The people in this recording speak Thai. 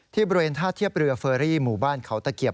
บริเวณท่าเทียบเรือเฟอรี่หมู่บ้านเขาตะเกียบ